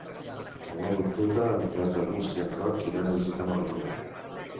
El nou d'octubre en Renat August i en Roc iran a visitar mon oncle.